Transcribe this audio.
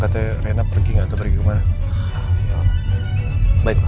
katanya rina pergi atau pergi kemana baik baik